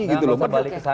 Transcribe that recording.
mbak ini yang penting